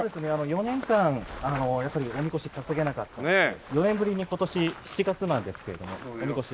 ４年間やっぱりおみこし担げなかったので４年ぶりに今年７月なんですけれどもおみこし。